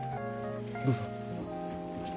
どうぞ。